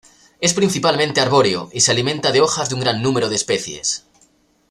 Es principalmente arbóreo y se alimenta de hojas de un gran número de especies.